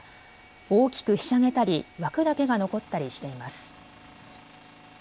大きくひしゃげたり枠だけが残ったりしています。